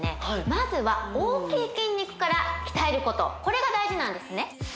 まずは大きい筋肉から鍛えることこれが大事なんですね